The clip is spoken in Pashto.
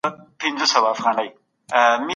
مثبت چلند تاسو فعال ساتي.